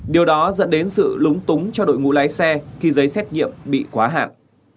điều đó dẫn đến sự lúng túng cho đội ngũ lái xe khi giấy xét nghiệm bị quá hạn